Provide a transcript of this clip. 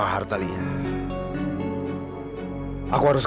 people yang baik punya anak emas